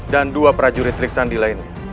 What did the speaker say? dan dua prajurit teriksan di lainnya